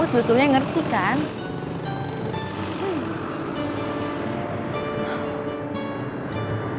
betulnya ngerti kan